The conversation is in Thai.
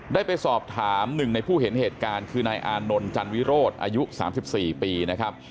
ได้ไปสอบถามหนึ่งในผู้เห็นเหตุการณ์คือนายอานนท์จันวิโรธอายุ๓๔ปีนะครับ